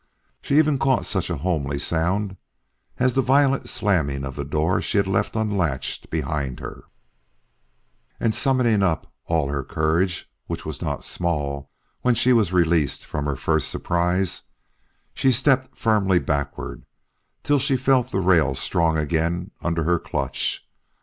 She even caught such a homely sound as the violent slamming of the door she had left unlatched behind her; and summoning up all her courage, which was not small when she was released from her first surprise, she stepped firmly backward till she felt the rail strong again under her clutch.